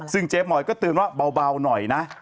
ซึ่งเจ๊มอยก็เตือนว่าเบาหน่อยนะ